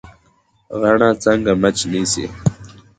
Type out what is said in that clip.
غڼه څنګه مچ نیسي؟